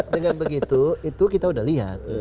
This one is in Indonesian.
dengan begitu itu kita sudah lihat